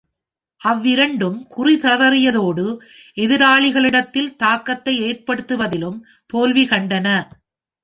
அவ்விரண்டும் குறிதவறியதோடு, எதிராளிகளிடத்தில் தாக்கத்தை ஏற்படுத்துவதிலும் தோல்வி கண்டன.